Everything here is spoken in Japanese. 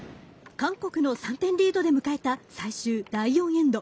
韓国の３点リードで迎えた最終第４エンド。